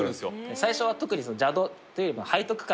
最初は特に邪道っていうよりも背徳感